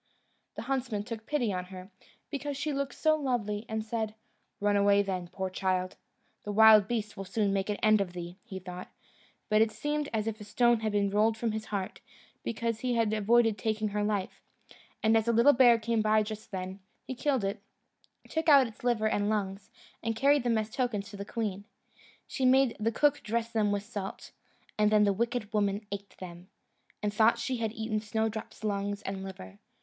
The huntsman took pity on her, because she looked so lovely, and said, "Run away then, poor child!" "The wild beasts will soon make an end of thee," he thought; but it seemed as if a stone had been rolled from his heart, because he had avoided taking her life; and as a little bear came by just then, he killed it, took out its liver and lungs, and carried them as tokens to the queen. She made the cook dress them with salt, and then the wicked woman ate them, and thought she had eaten Snowdrop's lungs and liver.